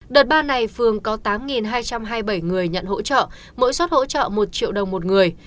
đợt ba này phường có tám hai trăm hai mươi bảy người nhận hỗ trợ mỗi suất hỗ trợ một triệu đồng một người